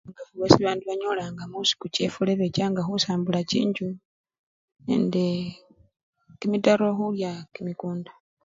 butinyu bwesi bandu banyolanga mufula ebechanga husambula chinjju nendee kimitaro hulya kimikunda